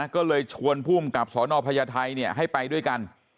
ก็เลยชวนผู้อุ้มกับสอนอภัยไทยให้ไปด้วยกัน